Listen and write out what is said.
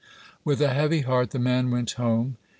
With a heavy heart the man went home.